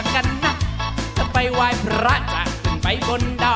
คนละสเปค